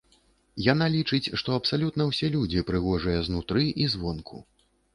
Яна лічыць, што абсалютна ўсе людзі прыгожыя знутры і звонку.